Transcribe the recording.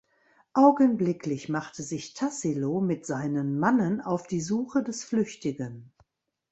Augenblicklich macht sich Tassilo mit seinen Mannen auf die Suche des Flüchtigen.